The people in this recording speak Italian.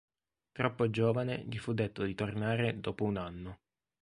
Troppo giovane, gli fu detto di tornare dopo un anno.